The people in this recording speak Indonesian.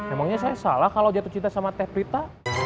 emangnya saya salah kalau jatuh cinta sama teh prita